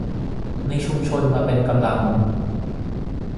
ในชุมชนมาเป็นกำลัง